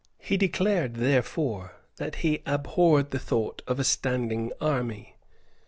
He declared therefore that he abhorred the thought of a standing army.